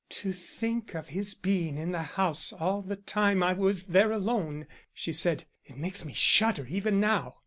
"To think of his being in the house all the time I was there alone!" she said. "It makes me shudder even now."